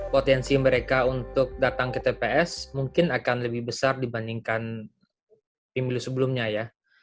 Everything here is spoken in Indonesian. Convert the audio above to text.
potensi mereka untuk datang ke tps mungkin akan lebih besar dibandingkan pemilu sebelumnya ya